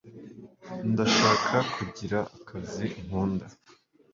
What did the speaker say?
ndashaka kugira akazi nkunda